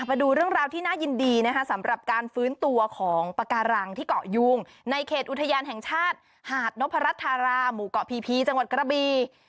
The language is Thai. มาดูเรื่องราวที่น่ายินดีนะคะสำหรับการฟื้นตัวของปากการังที่เกาะยูงในเขตอุทยานแห่งชาติหาดนพรัชธาราหมู่เกาะพีพีจังหวัดกระบี